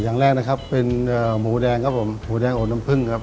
อย่างแรกนะครับเป็นหมูแดงครับผมหมูแดงอบน้ำพึ่งครับ